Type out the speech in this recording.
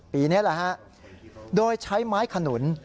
ปีนี้แหละฮะโดยใช้ไม้ขนุน